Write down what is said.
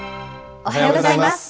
おはようございます。